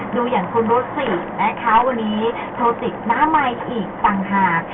ดูอย่างคุณรถสินะคะวันนี้โทรติดม้าไมค์อีกต่างหาก